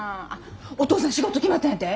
お父さん仕事決まったんやて？